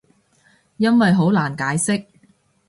因為好難解釋